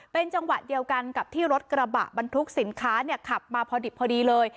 เป็นจังหวะเดียวกันกับที่รถกระบะบรรทุกสินค้าขับมาพอดิบพอดีเลย